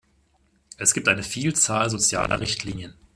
Es gibt eine Vielzahl sozialer Richtlinien.